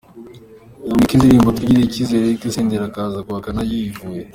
yamwibye indirimbo Twigirie icyizere Eric Senderi akaza guhakana yivuye.